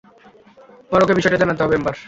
আমার ওকে বিষয়টা জানাতে হবে, এম্বার।